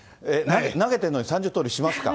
投げてるのに３０盗塁しますか。